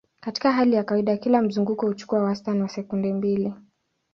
Katika hali ya kawaida, kila mzunguko huchukua wastani wa sekunde mbili.